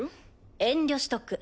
遠慮しとく。